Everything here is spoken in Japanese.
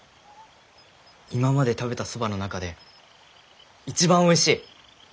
今まで食べたそばの中で一番おいしい！